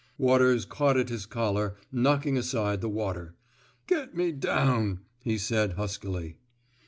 Waters caught at his collar, knocking aside the water. Get me down, he said, huskily.